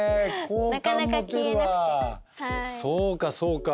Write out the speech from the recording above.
そうかそうか。